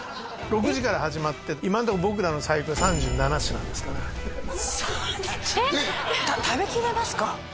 ６時から始まって今のところ僕らの最高で３７品ですから３７食べきれますか？